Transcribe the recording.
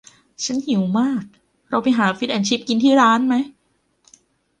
ฉันหิวมาก เราไปหาฟิชแอนด์ชิพกินที่ร้านไหม